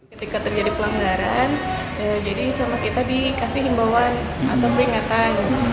ketika terjadi pelanggaran jadi sama kita dikasih himbauan atau peringatan